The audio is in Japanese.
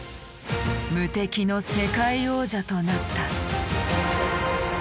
無敵の世界王者となった。